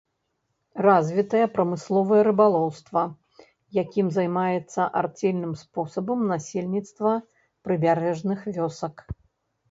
Развітае прамысловае рыбалоўства, якім займаецца арцельным спосабам насельніцтва прыбярэжных вёсак.